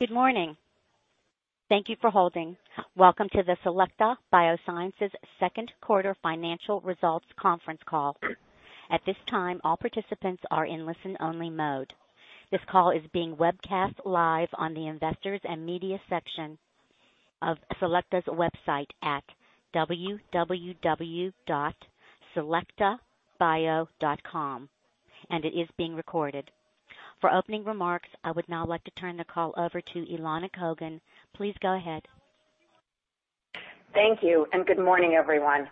Good morning. Thank you for holding. Welcome to the Selecta Biosciences Second Quarter Financial Results Conference Call. At this time, all participants are in listen-only mode. This call is being webcast live on the Investors and Media section of Selecta's website at www.selectabio.com, and it is being recorded. For opening remarks, I would now like to turn the call over to Elona Kogan. Please go ahead. Thank you, and good morning, everyone.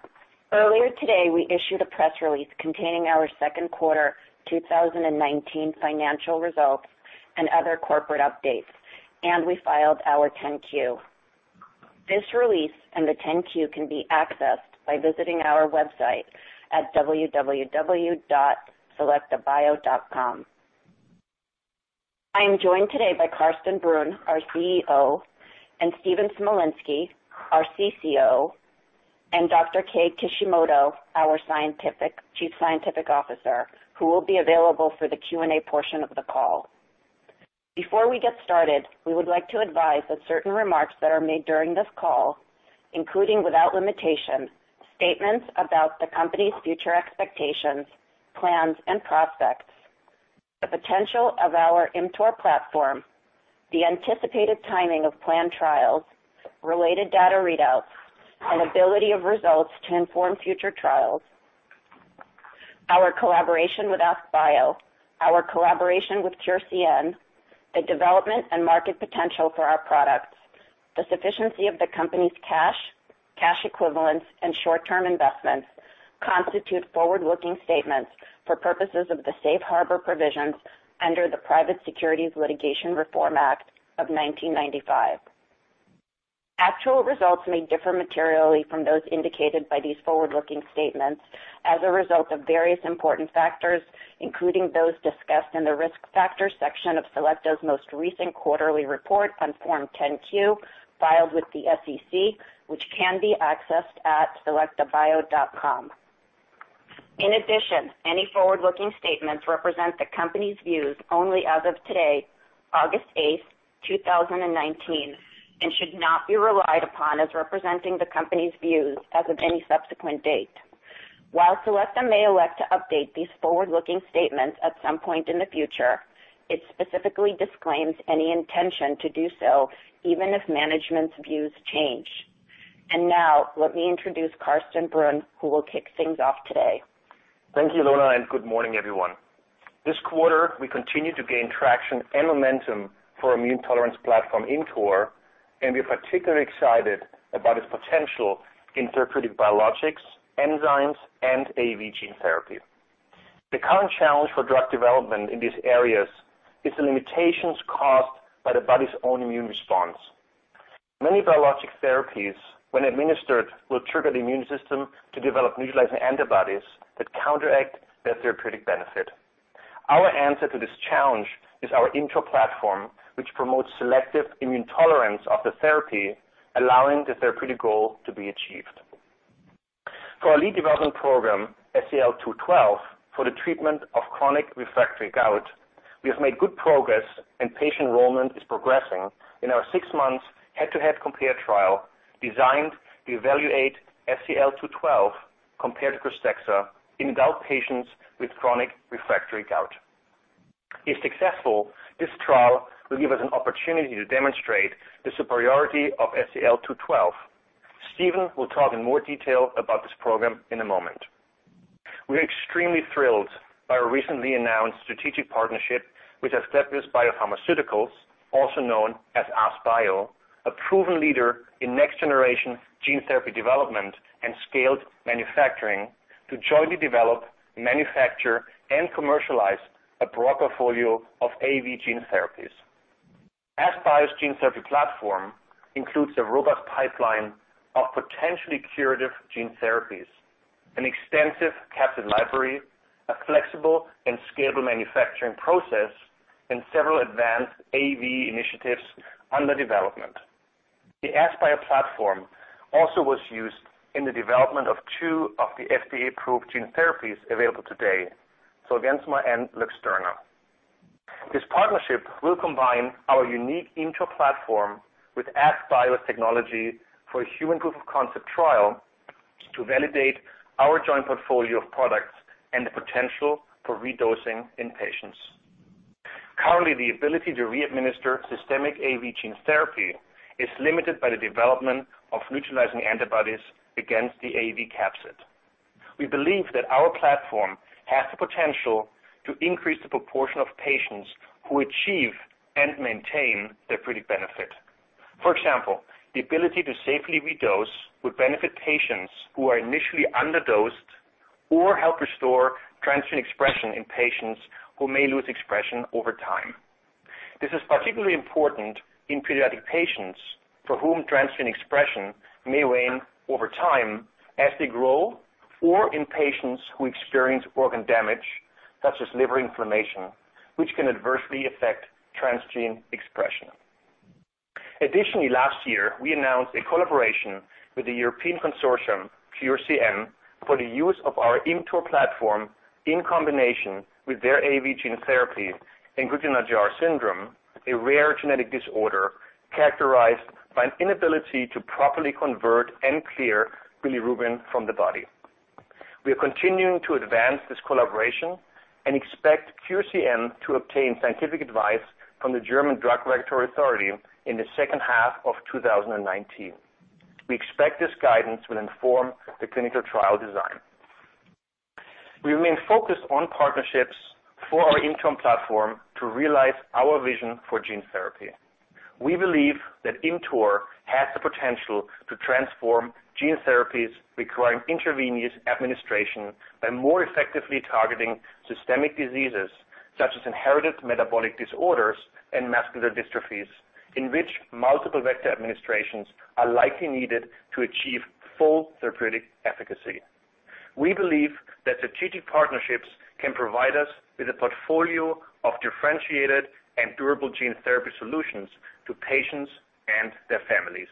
Earlier today, we issued a press release containing our second quarter 2019 financial results and other corporate updates, and we filed our 10-Q. This release and the 10-Q can be accessed by visiting our website at www.selectabio.com. I am joined today by Carsten Brunn, our CEO, and Stephen Smolinski, our CCO, and Dr. Kei Kishimoto, our Chief Scientific Officer, who will be available for the Q&A portion of the call. Before we get started, we would like to advise that certain remarks that are made during this call, including without limitation, statements about the company's future expectations, plans and prospects, the potential of our ImmTOR platform, the anticipated timing of planned trials, related data readouts, and ability of results to inform future trials, our collaboration with AskBio, our collaboration with CureCN, the development and market potential for our products, the sufficiency of the company's cash equivalents, and short-term investments, constitute forward-looking statements for purposes of the safe harbor provisions under the Private Securities Litigation Reform Act of 1995. Actual results may differ materially from those indicated by these forward-looking statements as a result of various important factors, including those discussed in the Risk Factors section of Selecta's most recent quarterly report on Form 10-Q, filed with the SEC, which can be accessed at selectabio.com. Any forward-looking statements represent the company's views only as of today, August 8th, 2019, and should not be relied upon as representing the company's views as of any subsequent date. While Selecta may elect to update these forward-looking statements at some point in the future, it specifically disclaims any intention to do so, even if management's views change. Now, let me introduce Carsten Brunn, who will kick things off today. Thank you, Ilana. Good morning, everyone. This quarter, we continued to gain traction and momentum for our immune tolerance platform, ImmTOR, and we are particularly excited about its potential in therapeutic biologics, enzymes, and AAV gene therapy. The current challenge for drug development in these areas is the limitations caused by the body's own immune response. Many biologic therapies, when administered, will trigger the immune system to develop neutralizing antibodies that counteract their therapeutic benefit. Our answer to this challenge is our ImmTOR platform, which promotes selective immune tolerance of the therapy, allowing the therapeutic goal to be achieved. For our lead development program, SEL-212, for the treatment of chronic refractory gout, we have made good progress, and patient enrollment is progressing in our 6 months head-to-head COMPARE trial designed to evaluate SEL-212 compared to KRYSTEXXA in gout patients with chronic refractory gout. If successful, this trial will give us an opportunity to demonstrate the superiority of SEL-212. Stephen will talk in more detail about this program in a moment. We are extremely thrilled by our recently announced strategic partnership with Asklepios BioPharmaceutical, also known as AskBio, a proven leader in next-generation gene therapy development and scaled manufacturing to jointly develop, manufacture, and commercialize a broad portfolio of AAV gene therapies. AskBio's gene therapy platform includes a robust pipeline of potentially curative gene therapies, an extensive capsid library, a flexible and scalable manufacturing process, and several advanced AAV initiatives under development. The AskBio platform also was used in the development of two of the FDA-approved gene therapies available today, ZOLGENSMA and LUXTURNA. This partnership will combine our unique ImmTOR platform with AskBio's technology for a human proof-of-concept trial to validate our joint portfolio of products and the potential for redosing in patients. Currently, the ability to re-administer systemic AAV gene therapy is limited by the development of neutralizing antibodies against the AAV capsid. We believe that our platform has the potential to increase the proportion of patients who achieve and maintain therapeutic benefit. For example, the ability to safely redose would benefit patients who are initially underdosed or help restore transgene expression in patients who may lose expression over time. This is particularly important in pediatric patients for whom transgene expression may wane over time as they grow, or in patients who experience organ damage, such as liver inflammation, which can adversely affect transgene expression. Additionally, last year, we announced a collaboration with the European consortium CureCN for the use of our ImmTOR platform in combination with their AAV gene therapy in Crigler-Najjar syndrome, a rare genetic disorder characterized by an inability to properly convert and clear bilirubin from the body. We are continuing to advance this collaboration and expect CureCN to obtain scientific advice from the German Drug Regulatory Authority in the second half of 2019. We expect this guidance will inform the clinical trial design. We remain focused on partnerships for our ImmTOR platform to realize our vision for gene therapy. We believe that ImmTOR has the potential to transform gene therapies requiring intravenous administration by more effectively targeting systemic diseases such as inherited metabolic disorders and muscular dystrophies, in which multiple vector administrations are likely needed to achieve full therapeutic efficacy. We believe that strategic partnerships can provide us with a portfolio of differentiated and durable gene therapy solutions to patients and their families.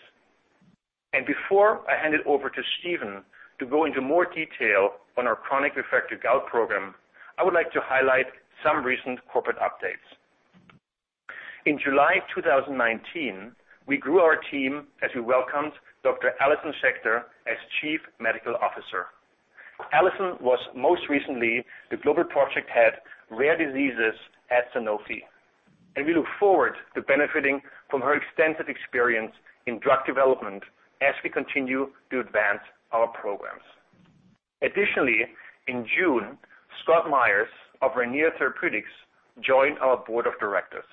Before I hand it over to Stephen to go into more detail on our chronic refractory gout program, I would like to highlight some recent corporate updates. In July 2019, we grew our team as we welcomed Dr. Alison Schecter as Chief Medical Officer. Alison was most recently the Global Project Head, Rare Diseases at Sanofi, and we look forward to benefiting from her extensive experience in drug development as we continue to advance our programs. Additionally, in June, Scott Myers of Rainier Therapeutics joined our board of directors.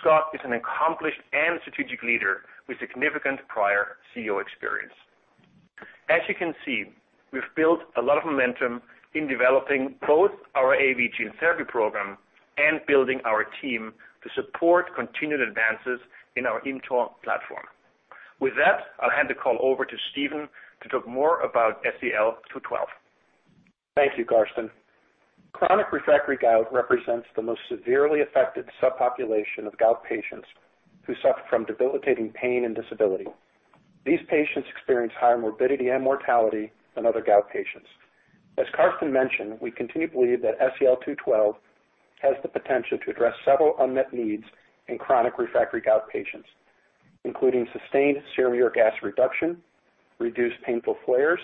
Scott is an accomplished and strategic leader with significant prior CEO experience. As you can see, we've built a lot of momentum in developing both our AAV gene therapy program and building our team to support continued advances in our ImmTOR platform. With that, I'll hand the call over to Stephen to talk more about SEL-212. Thank you, Carsten. Chronic refractory gout represents the most severely affected subpopulation of gout patients who suffer from debilitating pain and disability. These patients experience higher morbidity and mortality than other gout patients. As Carsten mentioned, we continue to believe that SEL-212 has the potential to address several unmet needs in chronic refractory gout patients, including sustained serum uric acid reduction, reduced painful flares,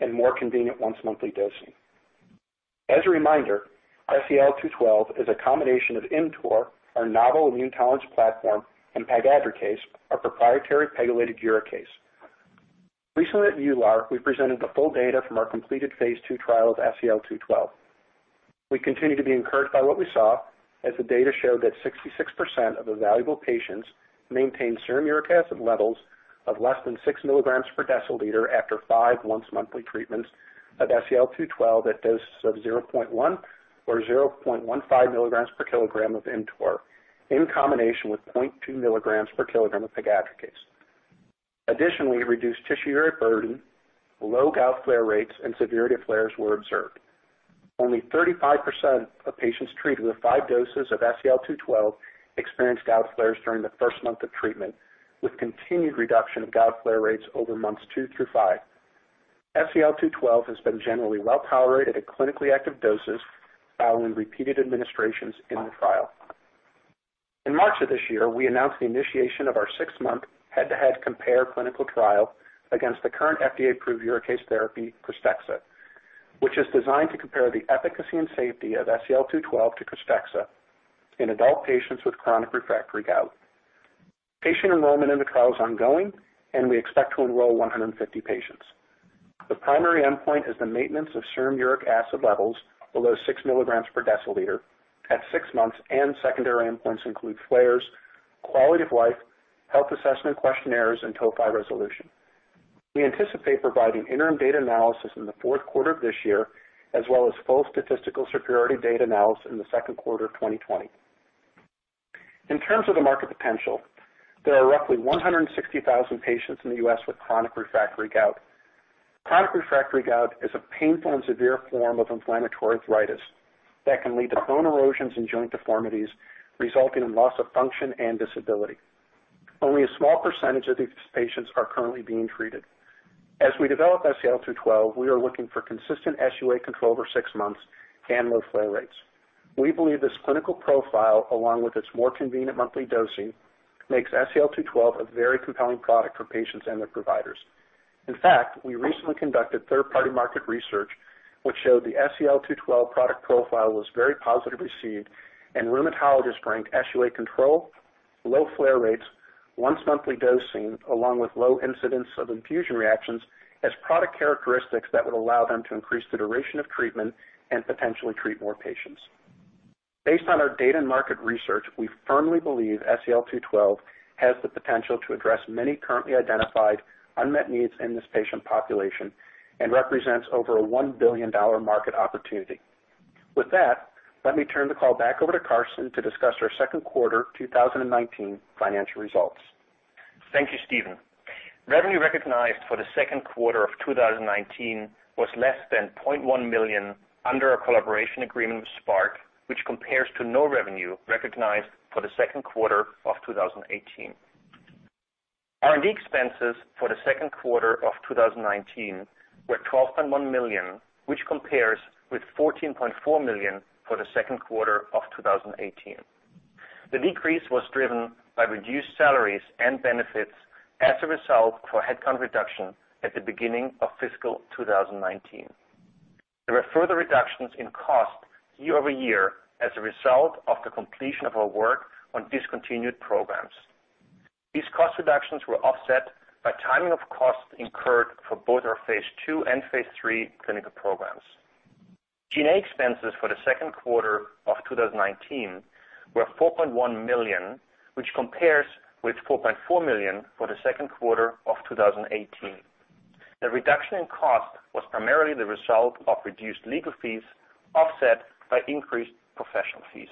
and more convenient once-monthly dosing. As a reminder, ImmTOR, our novel immune tolerance platform, and pegadricase, our proprietary pegylated uricase. Recently at EULAR, we presented the full data from our completed phase II trial of SEL-212. We continue to be encouraged by what we saw, as the data showed that 66% of evaluable patients maintained serum uric acid levels of less than six milligrams per deciliter after five once-monthly treatments of SEL-212 at doses of 0.1 or 0.15 milligrams per kilogram of ImmTOR, in combination with 0.2 milligrams per kilogram of pegadricase. Additionally, reduced tissue uric burden, low gout flare rates, and severity of flares were observed. Only 35% of patients treated with five doses of SEL-212 experienced gout flares during the first month of treatment, with continued reduction of gout flare rates over months 2 through 5. SEL-212 has been generally well-tolerated at clinically active doses following repeated administrations in the trial. In March of this year, we announced the initiation of our 6-month head-to-head COMPARE clinical trial against the current FDA-approved uricase therapy, KRYSTEXXA, which is designed to compare the efficacy and safety of SEL-212 to KRYSTEXXA in adult patients with chronic refractory gout. Patient enrollment in the trial is ongoing, and we expect to enroll 150 patients. The primary endpoint is the maintenance of serum uric acid levels below 6 milligrams per deciliter at 6 months, and secondary endpoints include flares, quality of life, health assessment questionnaires, and tophi resolution. We anticipate providing interim data analysis in the fourth quarter of this year, as well as full statistical superiority data analysis in the second quarter of 2020. In terms of the market potential, there are roughly 160,000 patients in the U.S. with chronic refractory gout. Chronic refractory gout is a painful and severe form of inflammatory arthritis that can lead to bone erosions and joint deformities, resulting in loss of function and disability. Only a small percentage of these patients are currently being treated. As we develop SEL-212, we are looking for consistent SUA control over six months and low flare rates. We believe this clinical profile, along with its more convenient monthly dosing, makes SEL-212 a very compelling product for patients and their providers. In fact, we recently conducted third-party market research, which showed the SEL-212 product profile was very positively received. Rheumatologists ranked SUA control, low flare rates, once-monthly dosing, along with low incidence of infusion reactions, as product characteristics that would allow them to increase the duration of treatment and potentially treat more patients. Based on our data and market research, we firmly believe SEL-212 has the potential to address many currently identified unmet needs in this patient population and represents over a $1 billion market opportunity. With that, let me turn the call back over to Carsten to discuss our second quarter 2019 financial results. Thank you, Stephen. Revenue recognized for the second quarter of 2019 was less than $0.1 million under a collaboration agreement with Spark, which compares to no revenue recognized for the second quarter of 2018. R&D expenses for the second quarter of 2019 were $12.1 million, which compares with $14.4 million for the second quarter of 2018. The decrease was driven by reduced salaries and benefits as a result for headcount reduction at the beginning of fiscal 2019. There were further reductions in cost year-over-year as a result of the completion of our work on discontinued programs. These cost reductions were offset by timing of costs incurred for both our phase II and phase III clinical programs. G&A expenses for the second quarter of 2019 were $4.1 million, which compares with $4.4 million for the second quarter of 2018. The reduction in cost was primarily the result of reduced legal fees offset by increased professional fees.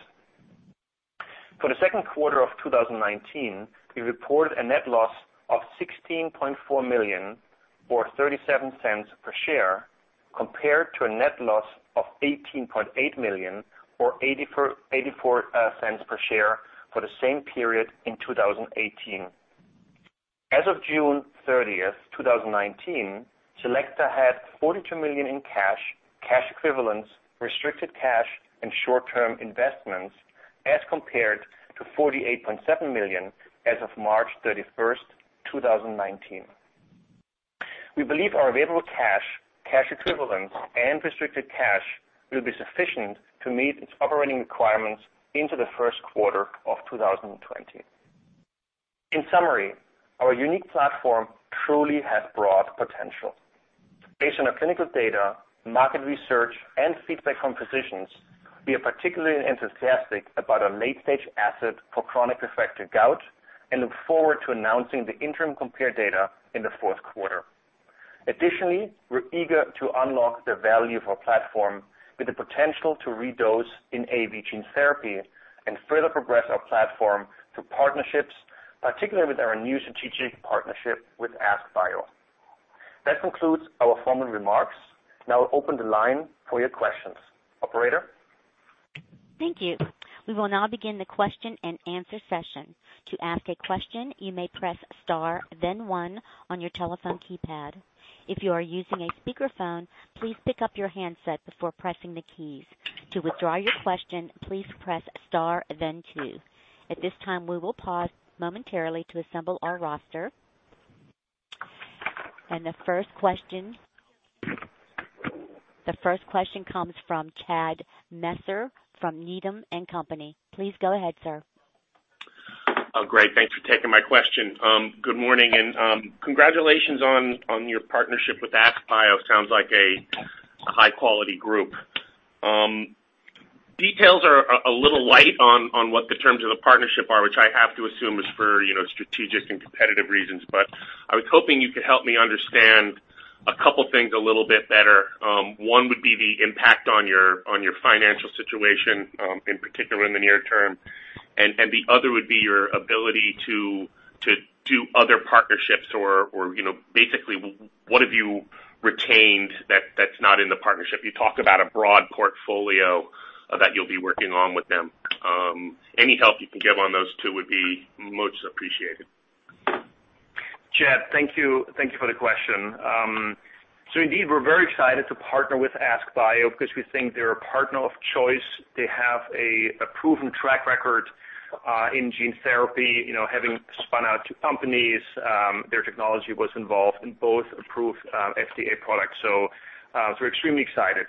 For the second quarter of 2019, we reported a net loss of $16.4 million, or $0.37 per share, compared to a net loss of $18.8 million or $0.84 per share for the same period in 2018. As of June 30th, 2019, Selecta had $42 million in cash equivalents, restricted cash and short-term investments as compared to $48.7 million as of March 31st, 2019. We believe our available cash equivalents, and restricted cash will be sufficient to meet its operating requirements into the first quarter of 2020. In summary, our unique platform truly has broad potential. Based on our clinical data, market research, and feedback from physicians, we are particularly enthusiastic about our late-stage asset for chronic affected gout and look forward to announcing the interim COMPARE data in the fourth quarter. Additionally, we're eager to unlock the value of our platform with the potential to redose in AAV gene therapy and further progress our platform through partnerships, particularly with our new strategic partnership with AskBio. That concludes our formal remarks. Now I open the line for your questions. Operator? Thank you. We will now begin the question and answer session. To ask a question, you may press star then one on your telephone keypad. If you are using a speakerphone, please pick up your handset before pressing the keys. To withdraw your question, please press star then two. At this time, we will pause momentarily to assemble our roster. The first question comes from Chad Messer from Needham & Company. Please go ahead, sir. Oh, great. Thanks for taking my question. Good morning, and congratulations on your partnership with AskBio. Sounds like a high-quality group. Details are a little light on what the terms of the partnership are, which I have to assume is for strategic and competitive reasons. I was hoping you could help me understand a couple things a little bit better. One would be the impact on your financial situation, in particular in the near term, and the other would be your ability to do other partnerships or basically, what have you retained that's not in the partnership? You talked about a broad portfolio that you'll be working on with them. Any help you can give on those two would be much appreciated. Chad, thank you for the question. Indeed, we're very excited to partner with AskBio because we think they're a partner of choice. They have a proven track record in gene therapy, having spun out two companies. Their technology was involved in both approved FDA products. We're extremely excited.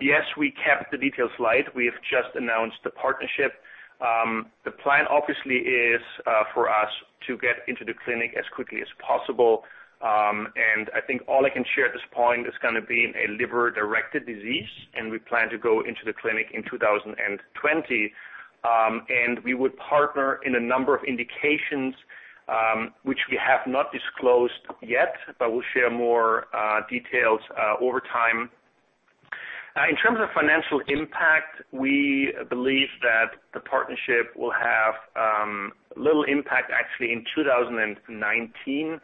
Yes, we kept the details light. We have just announced the partnership. The plan obviously is for us to get into the clinic as quickly as possible. I think all I can share at this point is going to be in a liver-directed disease, and we plan to go into the clinic in 2020. We would partner in a number of indications, which we have not disclosed yet, but we'll share more details over time. In terms of financial impact, we believe that the partnership will have little impact actually in 2019.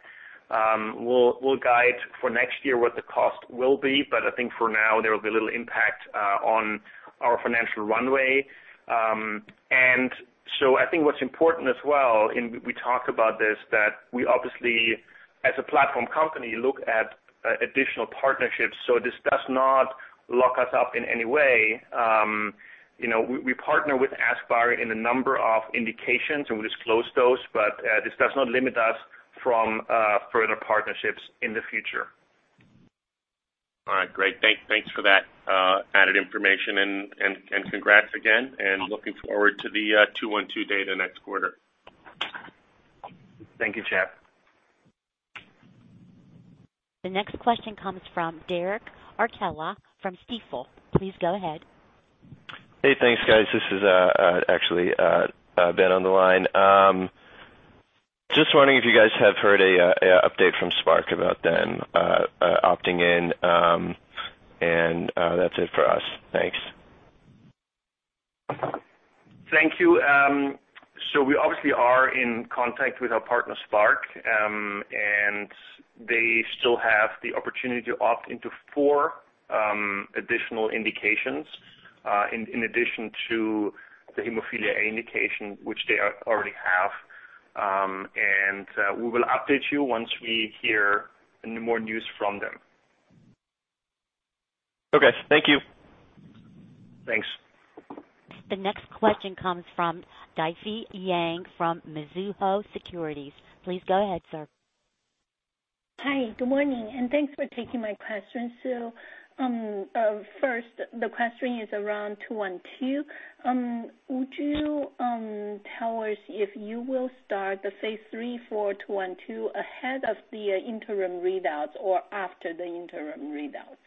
We'll guide for next year what the cost will be, but I think for now, there will be little impact on our financial runway. I think what's important as well, and we talk about this, that we obviously, as a platform company, look at additional partnerships. This does not lock us up in any way. We partner with AskBio in a number of indications, and we disclose those, but this does not limit us from further partnerships in the future. All right. Great. Thanks for that added information and congrats again, and looking forward to the 212 data next quarter. Thank you, Chad. The next question comes from Derek Archila from Stifel. Please go ahead. Hey, thanks, guys. This is actually Ben on the line. Just wondering if you guys have heard an update from Spark about them opting in. That's it for us. Thanks. Thank you. We obviously are in contact with our partner, Spark, and they still have the opportunity to opt into four additional indications in addition to the hemophilia A indication, which they already have. We will update you once we hear more news from them. Okay. Thank you. Thanks. The next question comes from Difei Yang from Mizuho Securities. Please go ahead, sir. Hi. Good morning, thanks for taking my question. First, the question is around 212. Would you tell us if you will start the phase III for 212 ahead of the interim readouts or after the interim readouts?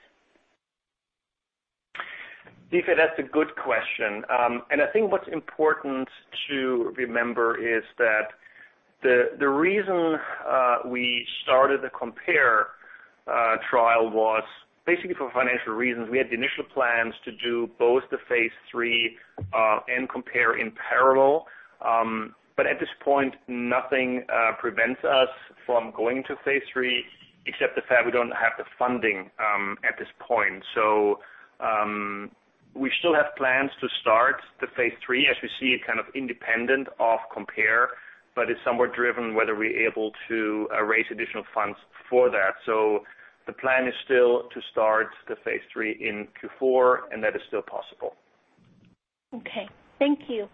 Difei, that's a good question. I think what's important to remember is that the reason we started the COMPARE trial was basically for financial reasons. We had the initial plans to do both the phase III and COMPARE in parallel. At this point, nothing prevents us from going to phase III except the fact we don't have the funding at this point. We still have plans to start the phase III, as we see it kind of independent of COMPARE, but it's somewhat driven whether we're able to raise additional funds for that. The plan is still to start the phase III in Q4, and that is still possible. Okay. Thank you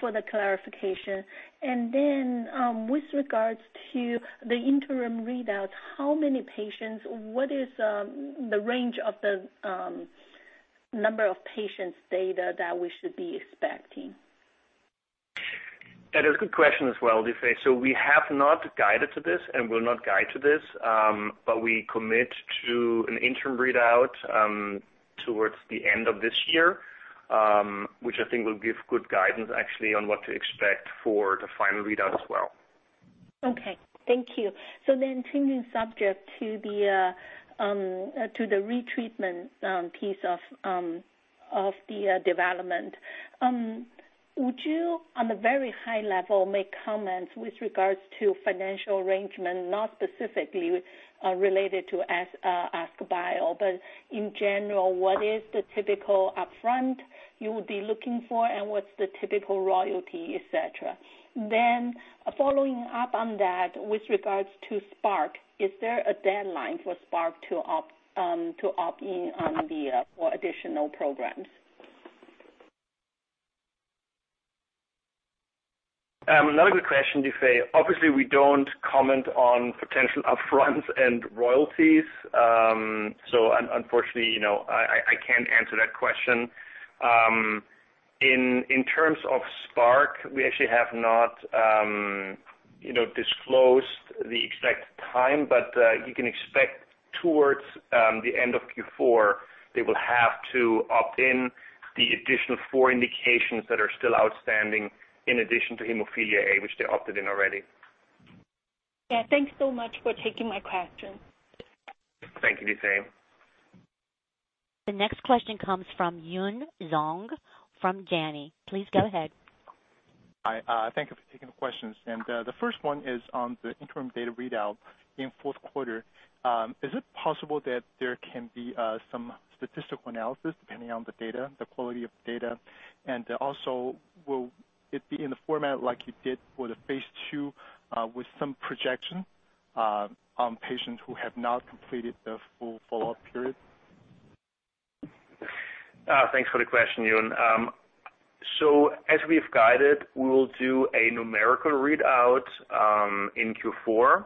for the clarification. With regards to the interim readout, how many patients, what is the range of the number of patients' data that we should be expecting? That is a good question as well, Difei. We have not guided to this and will not guide to this, but we commit to an interim readout towards the end of this year, which I think will give good guidance actually on what to expect for the final readout as well. Okay. Thank you. Changing subject to the retreatment piece of the development. Would you, on a very high level, make comments with regards to financial arrangement, not specifically related to AskBio, but in general, what is the typical upfront you would be looking for, and what's the typical royalty, et cetera? Following up on that, with regards to Spark, is there a deadline for Spark to opt in on the four additional programs? Another good question, Difei. Obviously, we don't comment on potential upfronts and royalties. Unfortunately, I can't answer that question. In terms of Spark, we actually have not disclosed the exact time, but you can expect towards the end of Q4, they will have to opt in the additional four indications that are still outstanding in addition to hemophilia A, which they opted in already. Yeah. Thanks so much for taking my question. Thank you, Difei. The next question comes from Yun Zhong from Janney. Please go ahead. Hi. Thank you for taking the questions. The first one is on the interim data readout in fourth quarter. Is it possible that there can be some statistical analysis depending on the data, the quality of data, and also will it be in the format like you did for the phase II, with some projection on patients who have not completed the full follow-up period? Thanks for the question, Yun. As we've guided, we will do a numerical readout in Q4,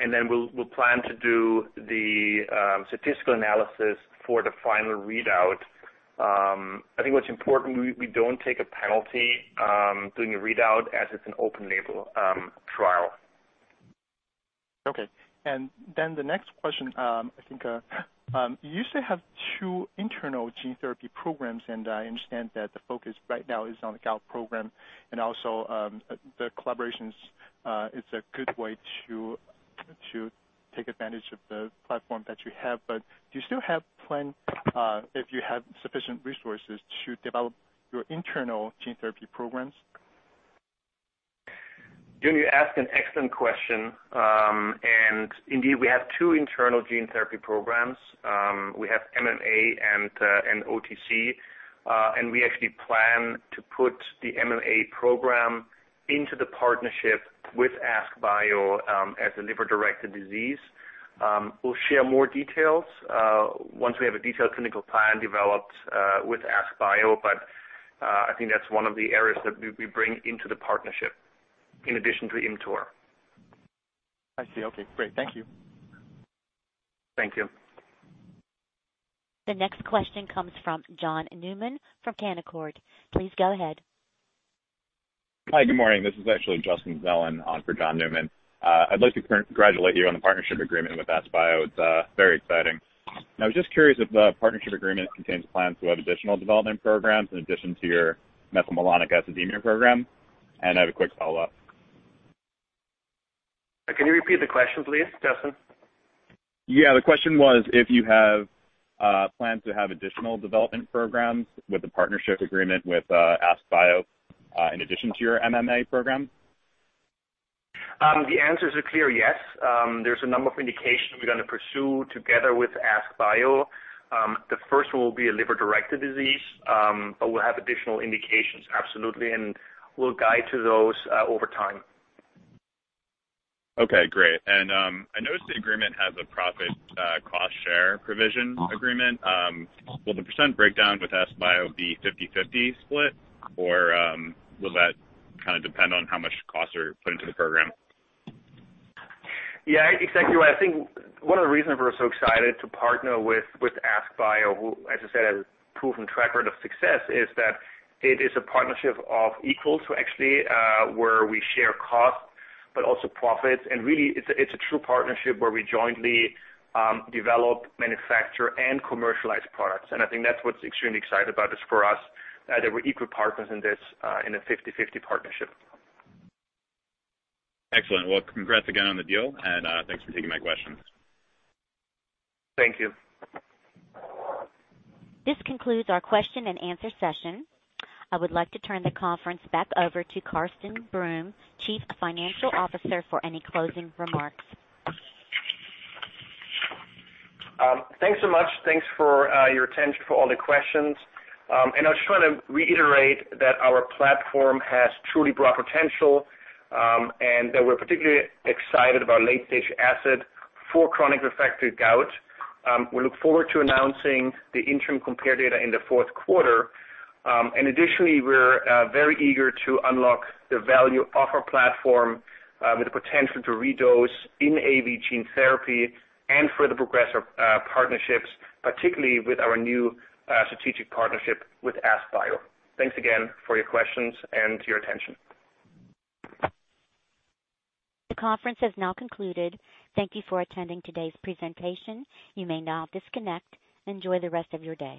and then we'll plan to do the statistical analysis for the final readout. I think what's important, we don't take a penalty doing a readout as it's an open label trial. Okay. The next question, I think you used to have two internal gene therapy programs, and I understand that the focus right now is on the gal program and also the collaborations is a good way to take advantage of the platform that you have. Do you still have plans, if you have sufficient resources to develop your internal gene therapy programs? Yun, you ask an excellent question. Indeed, we have two internal gene therapy programs. We have MMA and OTC, we actually plan to put the MMA program into the partnership with AskBio, as a liver-directed disease. We'll share more details once we have a detailed clinical plan developed with AskBio. I think that's one of the areas that we bring into the partnership in addition to ImmTOR. I see. Okay, great. Thank you. Thank you. The next question comes from John Newman from Canaccord. Please go ahead. Hi, good morning. This is actually Justin Zelin on for John Newman. I'd like to congratulate you on the partnership agreement with AskBio. It's very exciting. I was just curious if the partnership agreement contains plans to add additional development programs in addition to your methylmalonic acidemia program? I have a quick follow-up. Can you repeat the question, please, Justin? Yeah. The question was if you have plans to have additional development programs with the partnership agreement with AskBio, in addition to your MMA program. The answer is a clear yes. There's a number of indications we're going to pursue together with AskBio. The first one will be a liver-directed disease, but we'll have additional indications, absolutely, and we'll guide to those over time. Okay, great. I noticed the agreement has a profit cost share provision agreement. Will the % breakdown with AskBio be 50/50 split, or will that depend on how much costs are put into the program? Yeah, exactly. I think one of the reasons we're so excited to partner with AskBio, who, as I said, has a proven track record of success, is that it is a partnership of equals where we share costs but also profits, and really, it's a true partnership where we jointly develop, manufacture, and commercialize products. I think that's what's extremely exciting about this for us, that we're equal partners in this, in a 50/50 partnership. Excellent. Well, congrats again on the deal, thanks for taking my questions. Thank you. This concludes our question and answer session. I would like to turn the conference back over to Carsten Brunn, Chief Financial Officer, for any closing remarks. Thanks so much. Thanks for your attention, for all the questions. I just want to reiterate that our platform has truly broad potential, and that we're particularly excited about late-stage asset for chronic refractory gout. We look forward to announcing the interim COMPARE data in the fourth quarter. Additionally, we're very eager to unlock the value of our platform with the potential to redose in AAV gene therapy and for the progressive partnerships, particularly with our new strategic partnership with AskBio. Thanks again for your questions and your attention. The conference has now concluded. Thank you for attending today's presentation. You may now disconnect. Enjoy the rest of your day.